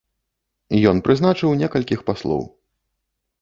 Ён прызначыў некалькіх паслоў.